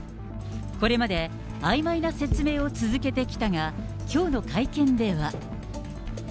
これまで、あいまいな説明を続けてきたが、きょうの会見では。